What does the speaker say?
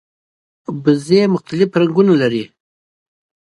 وزې د مختلفو رنګونو وي